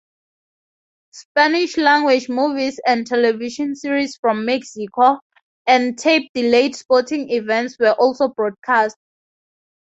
Spanish-language movies and television series from Mexico, and tape-delayed sporting events were also broadcast.